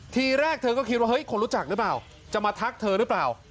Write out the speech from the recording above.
ทีแรกเธอก็คิดว่าเฮ้ยคนรู้จักหรือเปล่าจะมาทักเธอหรือเปล่า